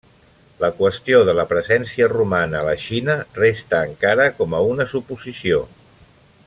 La qüestió de la presència romana a la Xina resta encara com a una suposició.